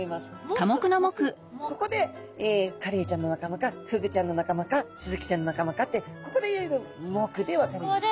ここでカレイちゃんの仲間かフグちゃんの仲間かスズキちゃんの仲間かってここでいろいろ目で分かれます。